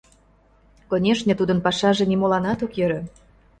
Конешне, тудын пашаже нимоланат ок йӧрӧ.